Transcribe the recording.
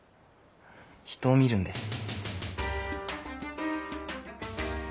人を診るんです。